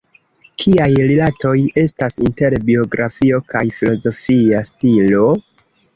Kiaj rilatoj estas inter biografio kaj filozofia stilo?